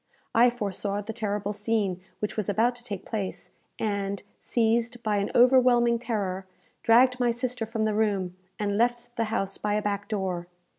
I foresaw the terrible scene which was about to take place, and, seized by an overwhelming terror, dragged my sister from the room, and left the house by a back door.